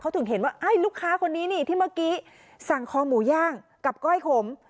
ถึงเห็นว่าลูกค้าคนนี้นี่ที่เมื่อกี้สั่งคอหมูย่างกับก้อยขม